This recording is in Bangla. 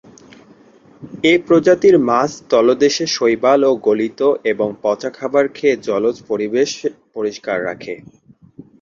এ প্রজাতির মাছ তলদেশে শৈবাল ও গলিত এবং পচা খাবার খেয়ে জলজ পরিবেশ পরিষ্কার রাখে।